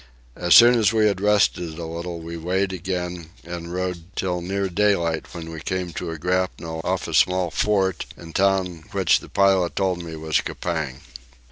As soon as we had rested a little we weighed again, and rowed till near daylight when we came to a grapnel off a small fort and town which the pilot told me was Coupang.